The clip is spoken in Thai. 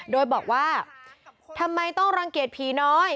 โดยบอกว่าทำไมต้องรังเกียจผีน้อย